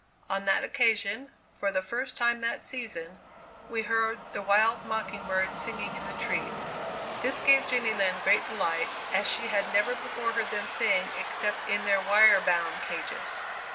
On that occasion, for the first time that season, we heard the wild mocking birds singing in the trees. This gave Jenny Lind great delight, as she had never before heard them sing except in their wire bound cages.